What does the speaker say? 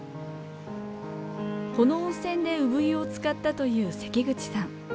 この温泉で産湯を使ったという関口さん。